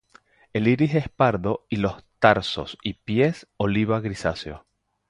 El iris es pardo y los tarsos y pies oliva grisáceo.